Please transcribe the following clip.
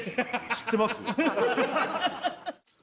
知ってますよ。